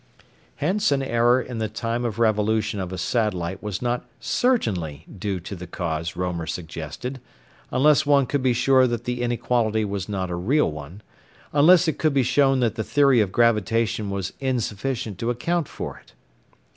Hence an error in the time of revolution of a satellite was not certainly due to the cause Roemer suggested, unless one could be sure that the inequality was not a real one, unless it could be shown that the theory of gravitation was insufficient to account for it.